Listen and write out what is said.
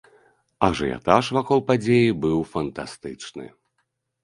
Ажыятаж вакол падзеі быў фантастычны.